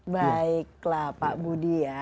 baiklah pak budi ya